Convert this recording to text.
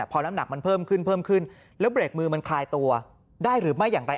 พอน้ำหนักมันเพิ่มขึ้นเพิ่มขึ้นแล้วเบรกมือมันคลายตัวได้หรือไม่อย่างไร